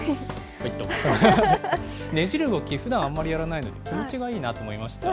ねじる動き、ふだんあんまりやらないので、気持ちがいいなと思いました。